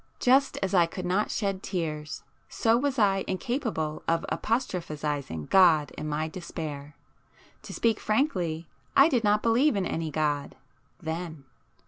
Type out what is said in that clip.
Just as I could not shed tears, so was I incapable of apostrophizing God in my despair. To speak frankly, I did not believe in any God—then.